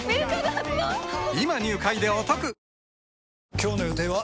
今日の予定は？